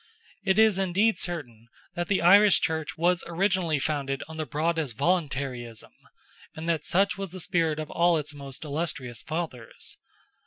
It is indeed certain that the Irish Church was originally founded on the broadest voluntaryism, and that such was the spirit of all its most illustrious fathers.